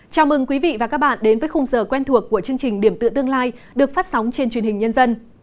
chào mừng quý vị và các bạn đến với khung giờ quen thuộc của chương trình điểm tựa tương lai được phát sóng trên truyền hình nhân dân